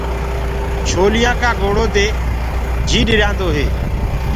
لهرينٚ ڪآ شورو دي جي ڏريآندو هي۔